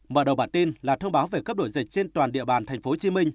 mở đầu bản tin là thông báo về cấp đổi dịch trên toàn địa bàn tp hcm